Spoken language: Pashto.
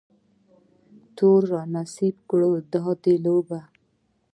تور نصیب راسره کړې ده دا لوبه